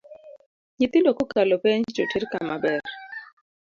Nyithindo kokalo penj toter kama ber